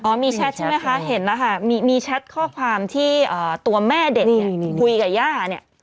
โอ้ยมีแชทใช่ไหมคะมีแชทข้อความที่ตัวแม่เด็กกลุ่มให้คุยกับย่า